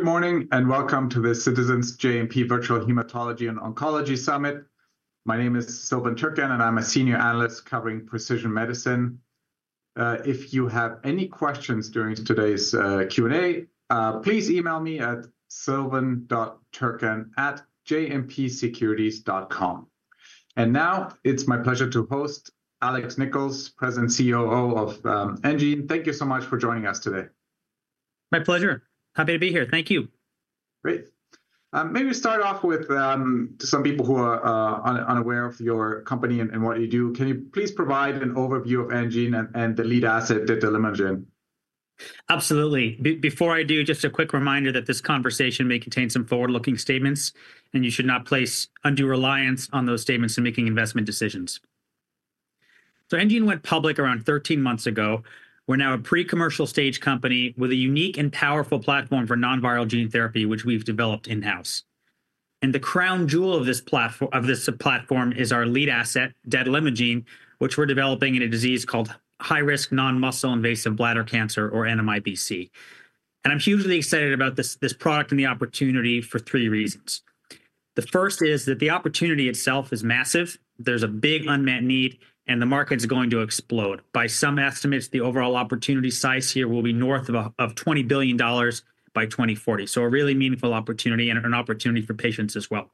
Good morning and welcome to the Citizens JMP Virtual Hematology and Oncology Summit. My name is Silvan Türkcan, and I'm a senior analyst covering precision medicine. If you have any questions during today's Q&A, please email me at sylvan.turkcan@jmpsecurities.com. And now it's my pleasure to host Alex Nichols, President and COO of enGene. Thank you so much for joining us today. My pleasure. Happy to be here. Thank you. Great. Maybe we start off with some people who are unaware of your company and what you do. Can you please provide an overview of enGene and the lead asset, the detalimogene voraplasmid? Absolutely. Before I do, just a quick reminder that this conversation may contain some forward-looking statements, and you should not place undue reliance on those statements in making investment decisions. So enGene went public around 13 months ago. We're now a pre-commercial stage company with a unique and powerful platform for non-viral gene therapy, which we've developed in-house. And the crown jewel of this platform is our lead asset, detalimogene voraplasmid, which we're developing in a disease called high-risk non-muscle invasive bladder cancer, or NMIBC. And I'm hugely excited about this product and the opportunity for three reasons. The first is that the opportunity itself is massive. There's a big unmet need, and the market is going to explode. By some estimates, the overall opportunity size here will be north of $20 billion by 2040. So a really meaningful opportunity and an opportunity for patients as well.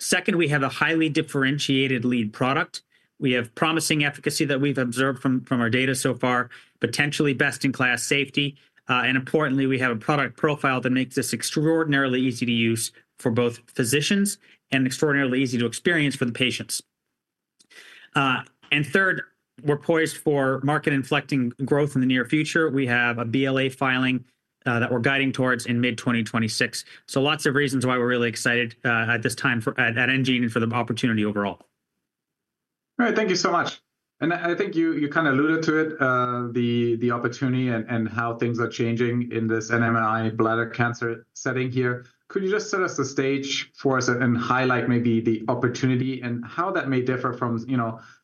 Second, we have a highly differentiated lead product. We have promising efficacy that we've observed from our data so far, potentially best-in-class safety, and importantly, we have a product profile that makes this extraordinarily easy to use for both physicians and extraordinarily easy to experience for the patients, and third, we're poised for market-inflecting growth in the near future. We have a BLA filing that we're guiding towards in mid-2026, so lots of reasons why we're really excited at this time at enGene and for the opportunity overall. All right. Thank you so much. And I think you kind of alluded to it, the opportunity and how things are changing in this NMIBC bladder cancer setting here. Could you just set the stage for us and highlight maybe the opportunity and how that may differ from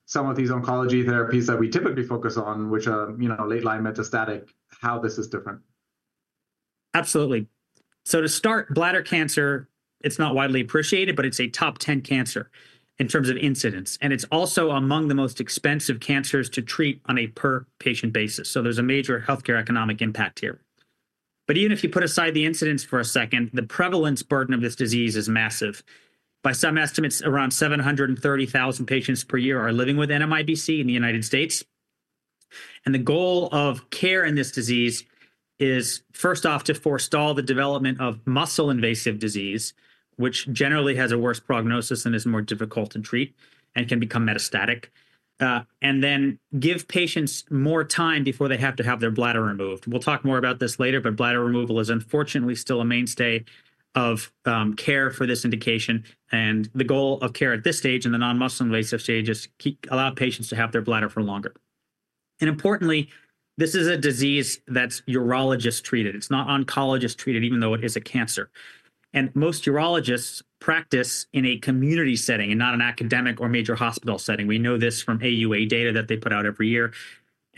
some of these oncology therapies that we typically focus on, which are late-line metastatic? How this is different? Absolutely, so to start, bladder cancer, it's not widely appreciated, but it's a top 10 cancer in terms of incidence, and it's also among the most expensive cancers to treat on a per-patient basis, so there's a major healthcare economic impact here, but even if you put aside the incidence for a second, the prevalence burden of this disease is massive. By some estimates, around 730,000 patients per year are living with NMIBC in the United States, and the goal of care in this disease is, first off, to forestall the development of muscle-invasive disease, which generally has a worse prognosis and is more difficult to treat and can become metastatic, and then give patients more time before they have to have their bladder removed. We'll talk more about this later, but bladder removal is unfortunately still a mainstay of care for this indication. The goal of care at this stage in the non-muscle-invasive stage is to allow patients to have their bladder for longer. Importantly, this is a disease that's urologist-treated. It's not oncologist-treated, even though it is a cancer. Most urologists practice in a community setting and not an academic or major hospital setting. We know this from AUA data that they put out every year.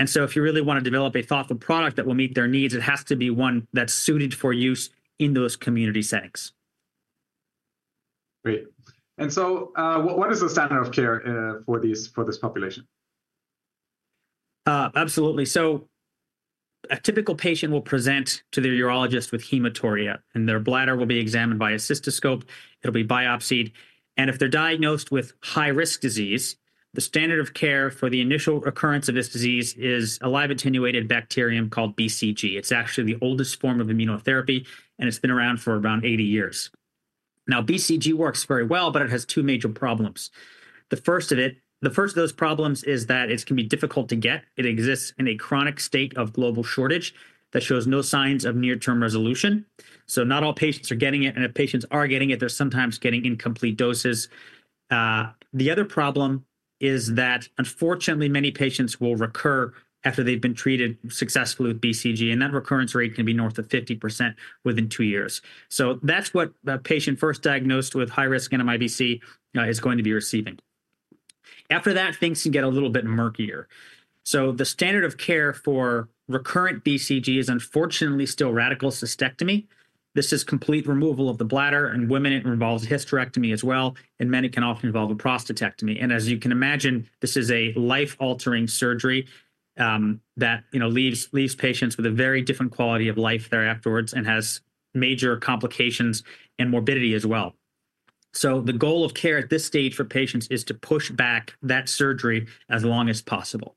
So if you really want to develop a thoughtful product that will meet their needs, it has to be one that's suited for use in those community settings. Great. And so what is the standard of care for this population? Absolutely, so a typical patient will present to their urologist with hematuria, and their bladder will be examined by a cystoscope. It'll be biopsied, and if they're diagnosed with high-risk disease, the standard of care for the initial occurrence of this disease is a live-attenuated bacterium called BCG. It's actually the oldest form of immunotherapy, and it's been around for around 80 years. Now, BCG works very well, but it has two major problems. The first of those problems is that it can be difficult to get. It exists in a chronic state of global shortage that shows no signs of near-term resolution, so not all patients are getting it, and if patients are getting it, they're sometimes getting incomplete doses. The other problem is that, unfortunately, many patients will recur after they've been treated successfully with BCG, and that recurrence rate can be north of 50% within two years. That's what a patient first diagnosed with high-risk NMIBC is going to be receiving. After that, things can get a little bit murkier. The standard of care for recurrent BCG is unfortunately still radical cystectomy. This is complete removal of the bladder. In women, it involves a hysterectomy as well, and many can often involve a prostatectomy. As you can imagine, this is a life-altering surgery that leaves patients with a very different quality of life thereafter and has major complications and morbidity as well. The goal of care at this stage for patients is to push back that surgery as long as possible.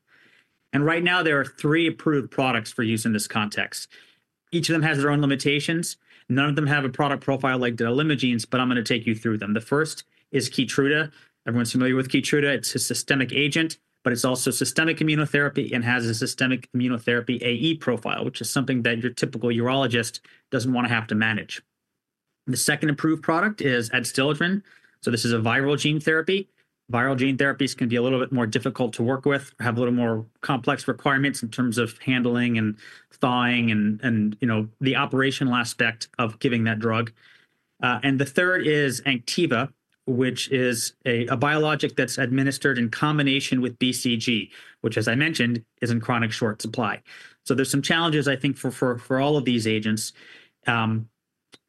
Right now, there are three approved products for use in this context. Each of them has their own limitations. None of them have a product profile like detalimogene voraplasmid, but I'm going to take you through them. The first is Keytruda. Everyone's familiar with Keytruda. It's a systemic agent, but it's also systemic immunotherapy and has a systemic immunotherapy AE profile, which is something that your typical urologist doesn't want to have to manage. The second approved product is Adstiladrin. So this is a viral gene therapy. Viral gene therapies can be a little bit more difficult to work with, have a little more complex requirements in terms of handling and thawing and the operational aspect of giving that drug. And the third is Anktiva, which is a biologic that's administered in combination with BCG, which, as I mentioned, is in chronic short supply. So there's some challenges, I think, for all of these agents.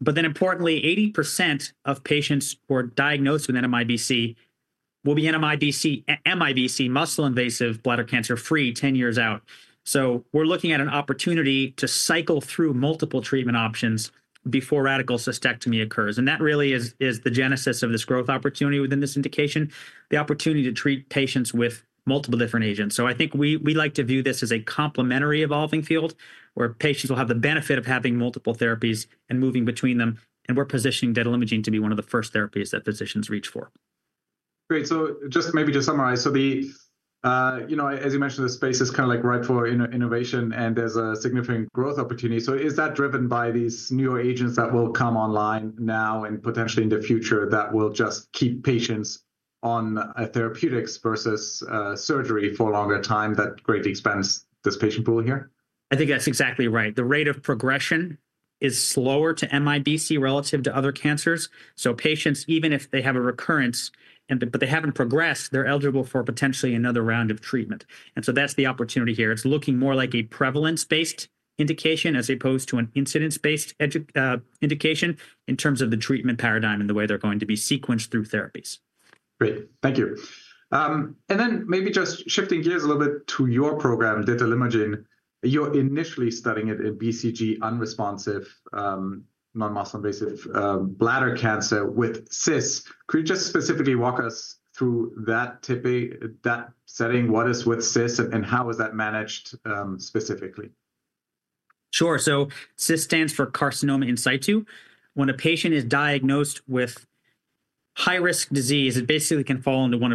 But then importantly, 80% of patients who are diagnosed with NMIBC will be muscle-invasive bladder cancer free 10 years out. So we're looking at an opportunity to cycle through multiple treatment options before radical cystectomy occurs. And that really is the genesis of this growth opportunity within this indication, the opportunity to treat patients with multiple different agents. So I think we like to view this as a complementary evolving field where patients will have the benefit of having multiple therapies and moving between them. And we're positioning detalimogene voraplasmid to be one of the first therapies that physicians reach for. Great. So just maybe to summarize, so as you mentioned, the space is kind of like ripe for innovation, and there's a significant growth opportunity. So is that driven by these newer agents that will come online now and potentially in the future that will just keep patients on therapeutics versus surgery for a longer time that greatly expands this patient pool here? I think that's exactly right. The rate of progression is slower to NMIBC relative to other cancers. So patients, even if they have a recurrence, but they haven't progressed, they're eligible for potentially another round of treatment. And so that's the opportunity here. It's looking more like a prevalence-based indication as opposed to an incidence-based indication in terms of the treatment paradigm and the way they're going to be sequenced through therapies. Great. Thank you. And then maybe just shifting gears a little bit to your program, detalimogene voraplasmid. You're initially studying it in BCG unresponsive non-muscle-invasive bladder cancer with CIS. Could you just specifically walk us through that setting? What is with CIS and how is that managed specifically? Sure. CIS stands for carcinoma in situ. When a patient is diagnosed with high-risk disease, it basically can fall into one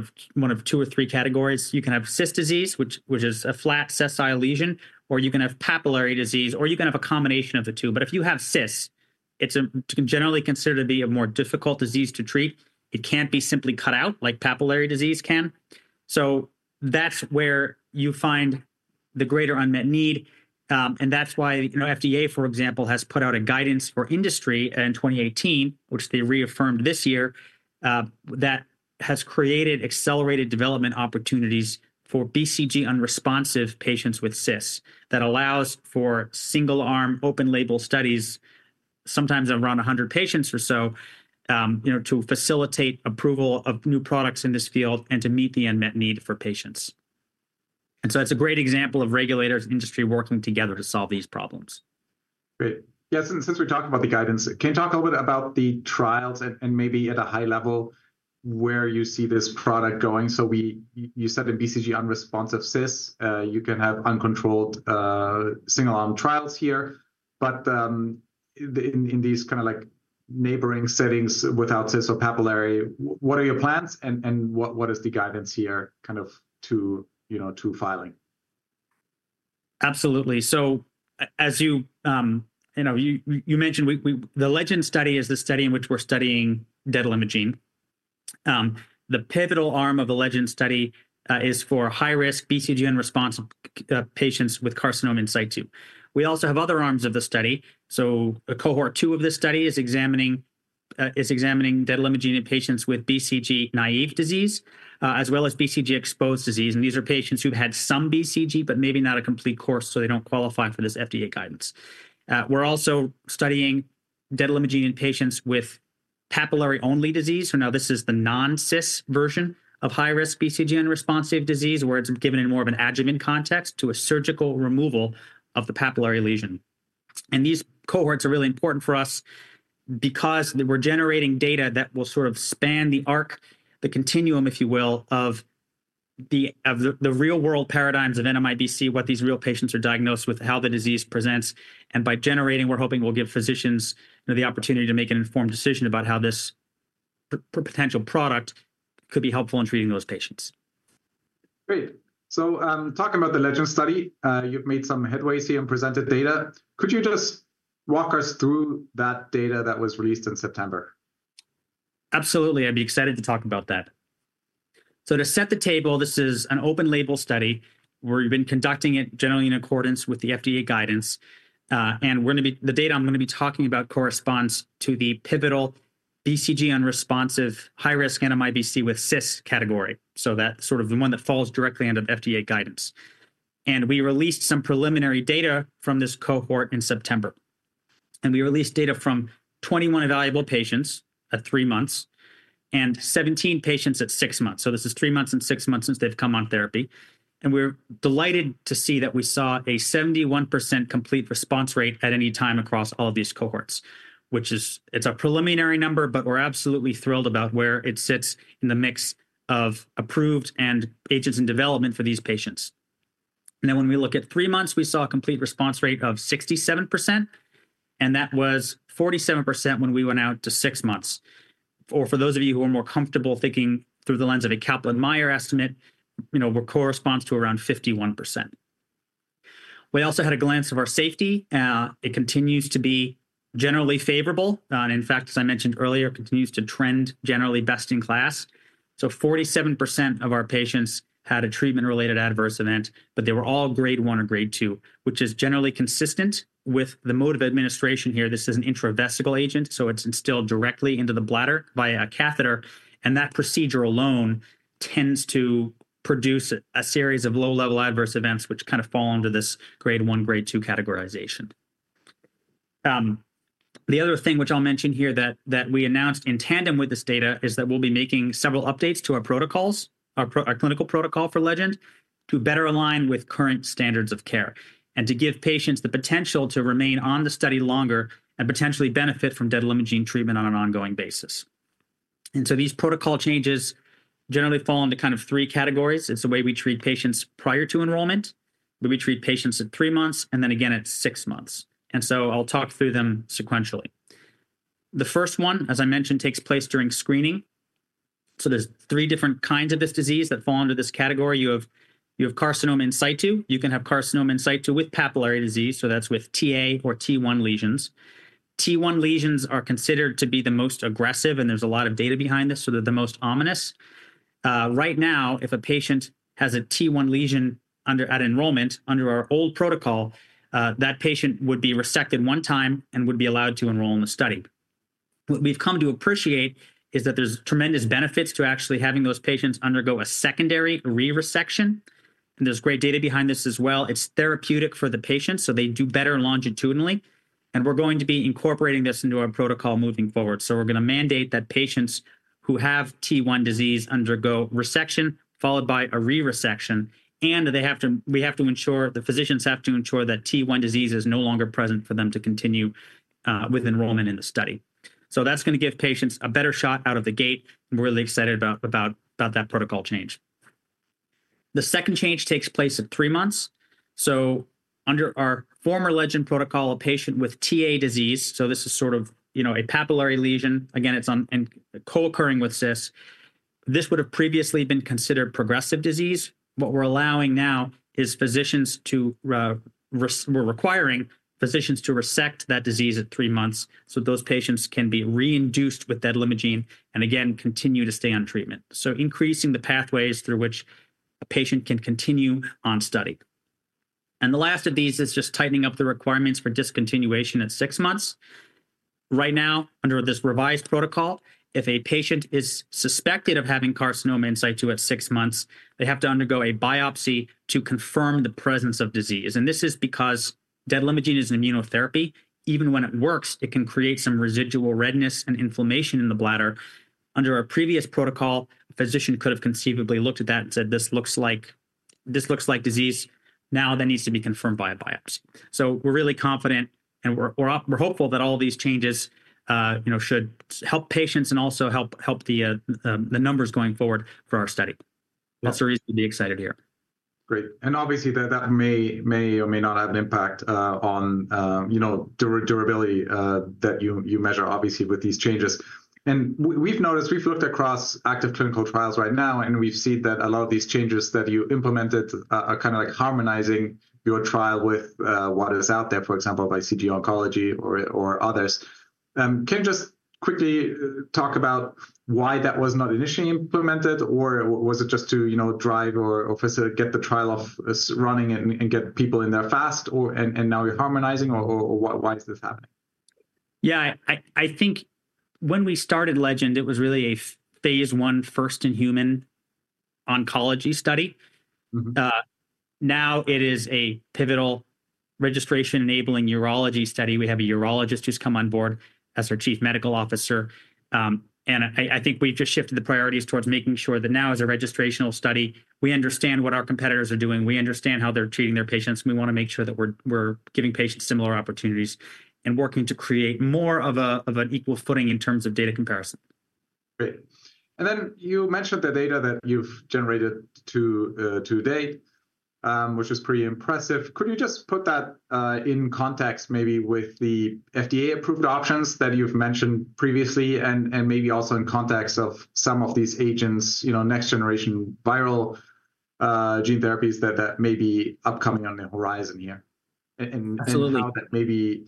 of two or three categories. You can have CIS disease, which is a flat sessile lesion, or you can have papillary disease, or you can have a combination of the two. But if you have CIS, it's generally considered to be a more difficult disease to treat. It can't be simply cut out like papillary disease can. That's where you find the greater unmet need. And that's why FDA, for example, has put out a guidance for industry in 2018, which they reaffirmed this year, that has created accelerated development opportunities for BCG unresponsive patients with CIS that allows for single-arm open-label studies, sometimes around 100 patients or so, to facilitate approval of new products in this field and to meet the unmet need for patients. That's a great example of regulators and industry working together to solve these problems. Great. Yeah. Since we're talking about the guidance, can you talk a little bit about the trials and maybe at a high level where you see this product going? So you said in BCG unresponsive CIS, you can have uncontrolled single-arm trials here. But in these kind of neighboring settings without CIS or papillary, what are your plans and what is the guidance here kind of to filing? Absolutely, so as you mentioned, the LEGEND study is the study in which we're studying detalimogene voraplasmid. The pivotal arm of the LEGEND study is for high-risk BCG unresponsive patients with carcinoma in situ. We also have other arms of the study, so a cohort two of this study is examining detalimogene voraplasmid in patients with BCG naive disease as well as BCG exposed disease, and these are patients who've had some BCG, but maybe not a complete course, so they don't qualify for this FDA guidance. We're also studying detalimogene voraplasmid in patients with papillary-only disease, so now this is the non-CIS version of high-risk BCG unresponsive disease, where it's given in more of an adjuvant context to a surgical removal of the papillary lesion. These cohorts are really important for us because we're generating data that will sort of span the arc, the continuum, if you will, of the real-world paradigms of NMIBC, what these real patients are diagnosed with, how the disease presents. By generating, we're hoping we'll give physicians the opportunity to make an informed decision about how this potential product could be helpful in treating those patients. Great. So talking about the LEGEND study, you've made some headway here and presented data. Could you just walk us through that data that was released in September? Absolutely. I'd be excited to talk about that. So to set the table, this is an open-label study where we've been conducting it generally in accordance with the FDA guidance. And the data I'm going to be talking about corresponds to the pivotal BCG unresponsive high-risk NMIBC with CIS category. So that's sort of the one that falls directly under the FDA guidance. And we released some preliminary data from this cohort in September. And we released data from 21 evaluable patients at three months and 17 patients at six months. So this is three months and six months since they've come on therapy. And we're delighted to see that we saw a 71% complete response rate at any time across all of these cohorts, which is a preliminary number, but we're absolutely thrilled about where it sits in the mix of approved and agents in development for these patients. When we look at three months, we saw a complete response rate of 67%. That was 47% when we went out to six months. For those of you who are more comfortable thinking through the lens of a Kaplan-Meier estimate, it corresponds to around 51%. We also had a glimpse of our safety. It continues to be generally favorable. In fact, as I mentioned earlier, it continues to trend generally best in class. 47% of our patients had a treatment-related adverse event, but they were all grade one or grade two, which is generally consistent with the mode of administration here. This is an intravesical agent, so it's instilled directly into the bladder via a catheter. That procedure alone tends to produce a series of low-level adverse events, which kind of fall under this grade one, grade two categorization. The other thing which I'll mention here that we announced in tandem with this data is that we'll be making several updates to our protocols, our clinical protocol for LEGEND, to better align with current standards of care and to give patients the potential to remain on the study longer and potentially benefit from detalimogene voraplasmid treatment on an ongoing basis. These protocol changes generally fall into kind of three categories. It's the way we treat patients prior to enrollment, where we treat patients at three months, and then again at six months. I'll talk through them sequentially. The first one, as I mentioned, takes place during screening. There's three different kinds of this disease that fall under this category. You have carcinoma in situ. You can have carcinoma in situ with papillary disease, so that's with Ta or T1 lesions. T1 lesions are considered to be the most aggressive, and there's a lot of data behind this, so they're the most ominous. Right now, if a patient has a T1 lesion at enrollment under our old protocol, that patient would be resected one time and would be allowed to enroll in the study. What we've come to appreciate is that there's tremendous benefits to actually having those patients undergo a secondary re-resection. And there's great data behind this as well. It's therapeutic for the patients, so they do better longitudinally. And we're going to be incorporating this into our protocol moving forward. So we're going to mandate that patients who have T1 disease undergo resection followed by a re-resection. And we have to ensure the physicians have to ensure that T1 disease is no longer present for them to continue with enrollment in the study. So that's going to give patients a better shot out of the gate. We're really excited about that protocol change. The second change takes place at three months. So under our former LEGEND protocol, a patient with Ta disease, so this is sort of a papillary lesion. Again, it's co-occurring with CIS. This would have previously been considered progressive disease. What we're allowing now is we're requiring physicians to resect that disease at three months so those patients can be re-induced with detalimogene voraplasmid and again continue to stay on treatment. So increasing the pathways through which a patient can continue on study. And the last of these is just tightening up the requirements for discontinuation at six months. Right now, under this revised protocol, if a patient is suspected of having carcinoma in situ at six months, they have to undergo a biopsy to confirm the presence of disease. This is because detalimogene voraplasmid is an immunotherapy. Even when it works, it can create some residual redness and inflammation in the bladder. Under our previous protocol, a physician could have conceivably looked at that and said, "This looks like disease now that needs to be confirmed by a biopsy." So we're really confident and we're hopeful that all these changes should help patients and also help the numbers going forward for our study. That's the reason we'd be excited here. Great. And obviously, that may or may not have an impact on the durability that you measure, obviously, with these changes. And we've looked across active clinical trials right now, and we've seen that a lot of these changes that you implemented are kind of like harmonizing your trial with what is out there, for example, by CG Oncology or others. Can you just quickly talk about why that was not initially implemented, or was it just to drive or get the trial off running and get people in there fast, and now you're harmonizing, or why is this happening? Yeah. I think when we started LEGEND, it was really a phase one first-in-human oncology study. Now it is a pivotal registration-enabling urology study. We have a urologist who's come on board as our chief medical officer. And I think we've just shifted the priorities towards making sure that now, as a registrational study, we understand what our competitors are doing. We understand how they're treating their patients. We want to make sure that we're giving patients similar opportunities and working to create more of an equal footing in terms of data comparison. Great. And then you mentioned the data that you've generated to date, which is pretty impressive. Could you just put that in context maybe with the FDA-approved options that you've mentioned previously and maybe also in context of some of these agents, next-generation viral gene therapies that may be upcoming on the horizon here and how that maybe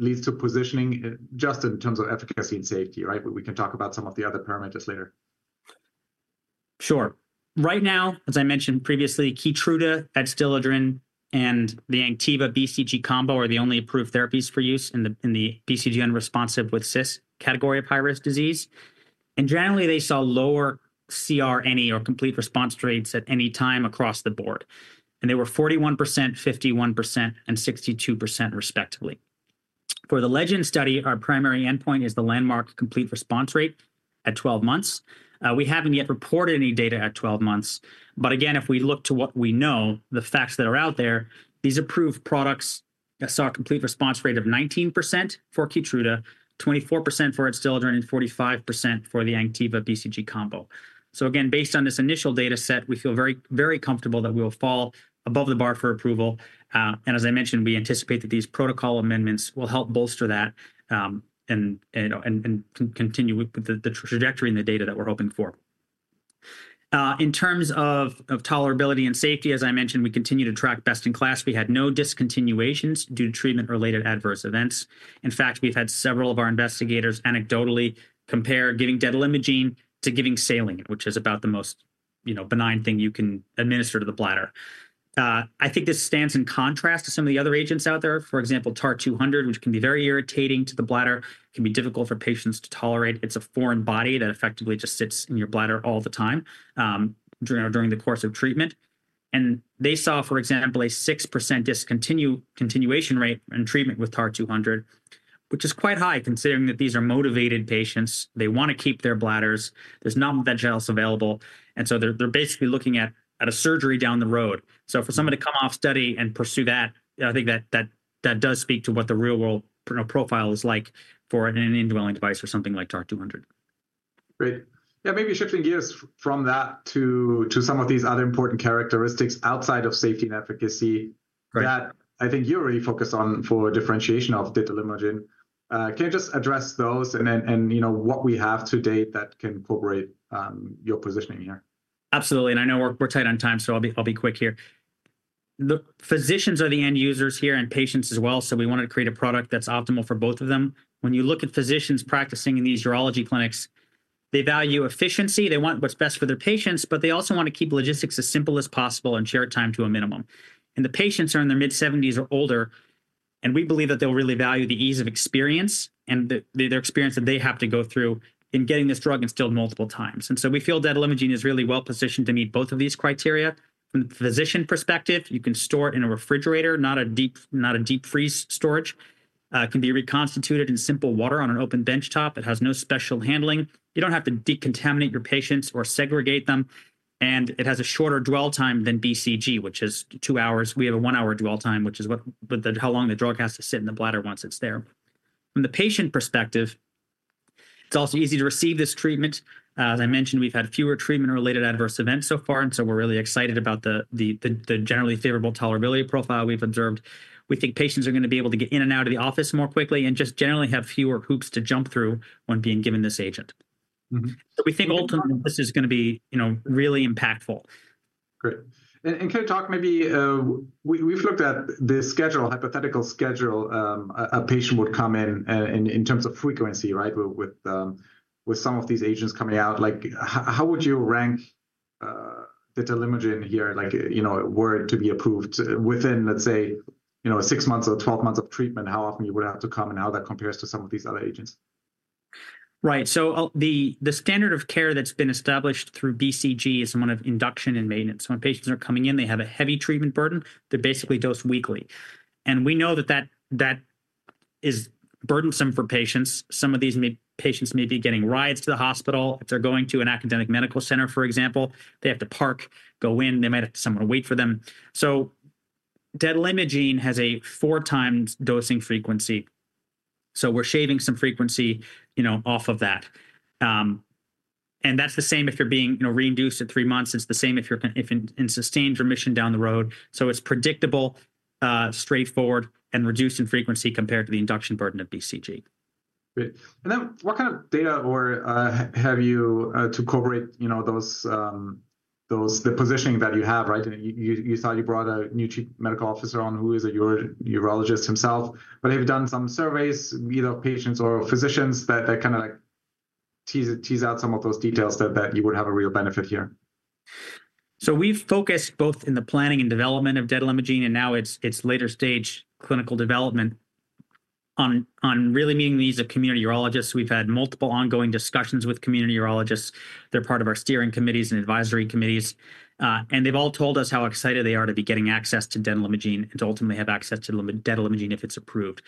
leads to positioning just in terms of efficacy and safety, right? We can talk about some of the other parameters later. Sure. Right now, as I mentioned previously, Keytruda, Adstiladrin, and the Anktiva BCG combo are the only approved therapies for use in the BCG unresponsive with CIS category of high-risk disease. And generally, they saw lower CR or complete response rates at any time across the board. And they were 41%, 51%, and 62%, respectively. For the LEGEND study, our primary endpoint is the landmark complete response rate at 12 months. We haven't yet reported any data at 12 months. But again, if we look to what we know, the facts that are out there, these approved products saw a complete response rate of 19% for Keytruda, 24% for Adstiladrin, and 45% for the Anktiva BCG combo. So again, based on this initial data set, we feel very comfortable that we will fall above the bar for approval. As I mentioned, we anticipate that these protocol amendments will help bolster that and continue with the trajectory and the data that we're hoping for. In terms of tolerability and safety, as I mentioned, we continue to track best in class. We had no discontinuations due to treatment-related adverse events. In fact, we've had several of our investigators anecdotally compare giving detalimogene voraplasmid to giving saline, which is about the most benign thing you can administer to the bladder. I think this stands in contrast to some of the other agents out there, for example, TAR-200, which can be very irritating to the bladder, can be difficult for patients to tolerate. It's a foreign body that effectively just sits in your bladder all the time during the course of treatment. And they saw, for example, a six% discontinuation rate in treatment with TAR-200, which is quite high considering that these are motivated patients. They want to keep their bladders. There's nothing else available. And so they're basically looking at a surgery down the road. So for somebody to come off study and pursue that, I think that does speak to what the real-world profile is like for an indwelling device or something like TAR-200. Great. Yeah, maybe shifting gears from that to some of these other important characteristics outside of safety and efficacy that I think you already focused on for differentiation of detalimogene voraplasmid. Can you just address those and what we have to date that can incorporate your positioning here? Absolutely, and I know we're tight on time, so I'll be quick here. The physicians are the end users here and patients as well, so we wanted to create a product that's optimal for both of them. When you look at physicians practicing in these urology clinics, they value efficiency. They want what's best for their patients, but they also want to keep logistics as simple as possible and share time to a minimum, and the patients are in their mid-70s or older, and we believe that they'll really value the ease of experience and the experience that they have to go through in getting this drug instilled multiple times, and so we feel detalimogene voraplasmid is really well positioned to meet both of these criteria. From the physician perspective, you can store it in a refrigerator, not a deep freeze storage. It can be reconstituted in simple water on an open benchtop. It has no special handling. You don't have to decontaminate your patients or segregate them, and it has a shorter dwell time than BCG, which is two hours. We have a one-hour dwell time, which is how long the drug has to sit in the bladder once it's there. From the patient perspective, it's also easy to receive this treatment. As I mentioned, we've had fewer treatment-related adverse events so far, and so we're really excited about the generally favorable tolerability profile we've observed. We think patients are going to be able to get in and out of the office more quickly and just generally have fewer hoops to jump through when being given this agent, so we think ultimately this is going to be really impactful. Great. And can you talk maybe we've looked at the schedule, hypothetical schedule, a patient would come in in terms of frequency, right, with some of these agents coming out. How would you rank the detalimogene voraplasmid here, like were it to be approved within, let's say, six months or 12 months of treatment, how often you would have to come and how that compares to some of these other agents? Right. So the standard of care that's been established through BCG is one of induction and maintenance. When patients are coming in, they have a heavy treatment burden. They're basically dosed weekly. And we know that that is burdensome for patients. Some of these patients may be getting rides to the hospital. If they're going to an academic medical center, for example, they have to park, go in, they might have someone wait for them. So detalimogene voraplasmid has a four-time dosing frequency. So we're shaving some frequency off of that. And that's the same if you're being re-induced at three months. It's the same if you're in sustained remission down the road. So it's predictable, straightforward, and reduced in frequency compared to the induction burden of BCG. Great. And then what kind of data have you to corroborate the positioning that you have, right? You thought you brought a new medical officer on who is a urologist himself. But have you done some surveys either of patients or physicians that kind of tease out some of those details that you would have a real benefit here? We've focused both in the planning and development of detalimogene voraplasmid, and now it's later stage clinical development on really meeting the needs of community urologists. We've had multiple ongoing discussions with community urologists. They're part of our steering committees and advisory committees. They've all told us how excited they are to be getting access to detalimogene voraplasmid and to ultimately have access to detalimogene voraplasmid if it's approved.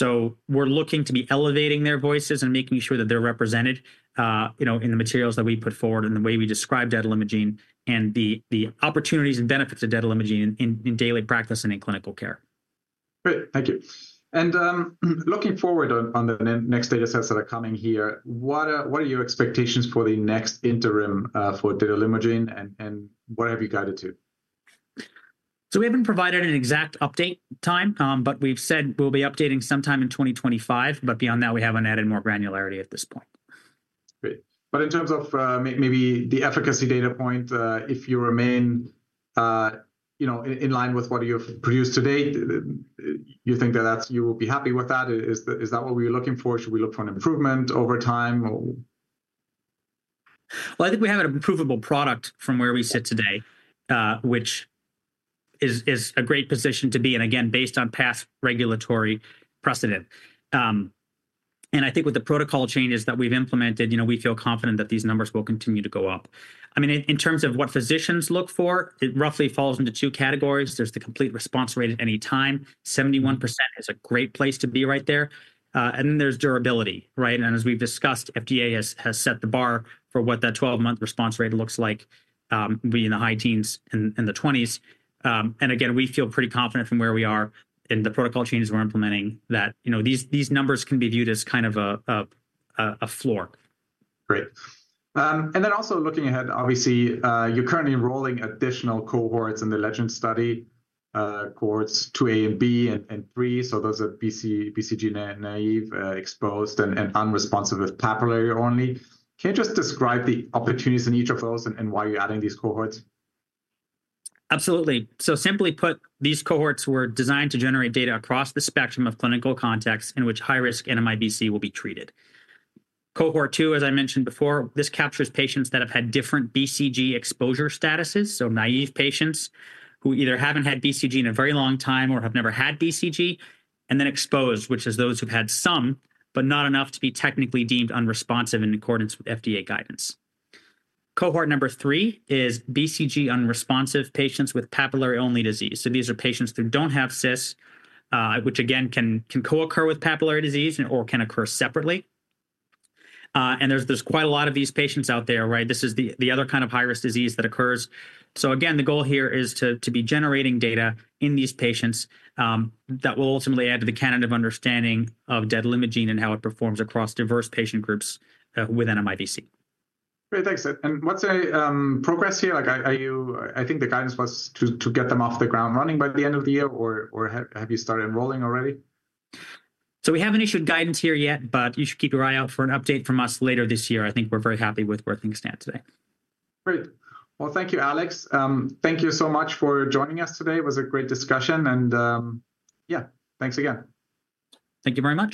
We're looking to be elevating their voices and making sure that they're represented in the materials that we put forward and the way we describe detalimogene voraplasmid and the opportunities and benefits of detalimogene voraplasmid in daily practice and in clinical care. Great. Thank you. And looking forward on the next data sets that are coming here, what are your expectations for the next interim for detalimogene voraplasmid and what have you guided to? So we haven't provided an exact update time, but we've said we'll be updating sometime in 2025. But beyond that, we haven't added more granularity at this point. Great. But in terms of maybe the efficacy data point, if you remain in line with what you've produced to date, you think that you will be happy with that? Is that what we're looking for? Should we look for an improvement over time? Well, I think we have an approvable product from where we sit today, which is a great position to be. And again, based on past regulatory precedent. And I think with the protocol changes that we've implemented, we feel confident that these numbers will continue to go up. I mean, in terms of what physicians look for, it roughly falls into two categories. There's the complete response rate at any time. 71% is a great place to be right there. And then there's durability, right? And as we've discussed, FDA has set the bar for what that 12-month response rate looks like. We're in the high teens and the 20s. And again, we feel pretty confident from where we are in the protocol changes we're implementing that these numbers can be viewed as kind of a floor. Great, and then also looking ahead, obviously, you're currently enrolling additional cohorts in the LEGEND study, cohorts 2A and B and 3. So those are BCG naive, exposed, and unresponsive with papillary only. Can you just describe the opportunities in each of those and why you're adding these cohorts? Absolutely. So simply put, these cohorts were designed to generate data across the spectrum of clinical contexts in which high-risk NMIBC will be treated. Cohort 2, as I mentioned before, this captures patients that have had different BCG exposure statuses, so naive patients who either haven't had BCG in a very long time or have never had BCG, and then exposed, which is those who've had some, but not enough to be technically deemed unresponsive in accordance with FDA guidance. Cohort number 3 is BCG unresponsive patients with papillary-only disease. So these are patients who don't have CIS, which again can co-occur with papillary disease or can occur separately. And there's quite a lot of these patients out there, right? This is the other kind of high-risk disease that occurs. So again, the goal here is to be generating data in these patients that will ultimately add to the body of understanding of detalimogene voraplasmid and how it performs across diverse patient groups with NMIBC. Great. Thanks. And what's the progress here? I think the guidance was to get them off the ground running by the end of the year, or have you started enrolling already? We haven't issued guidance here yet, but you should keep your eye out for an update from us later this year. I think we're very happy with where things stand today. Great. Thank you, Alex. Thank you so much for joining us today. It was a great discussion. Yeah, thanks again. Thank you very much.